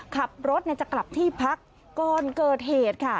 ขับรถจะกลับที่พักก่อนเกิดเหตุค่ะ